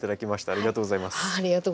ありがとうございます。